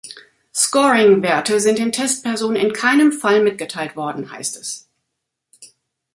Scoring-Werte sind den Testpersonen in keinem Fall mitgeteilt worden, heißt es.